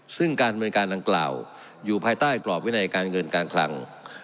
ซึ่งการดำเนินการดังกล่าวอยู่ภายใต้กรอบวินัยการเงินการคลัง